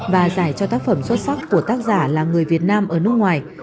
và giải cho tác phẩm xuất sắc của tác giả là người việt nam ở nước ngoài